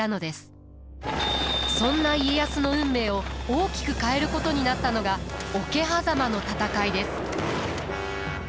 そんな家康の運命を大きく変えることになったのが桶狭間の戦いです。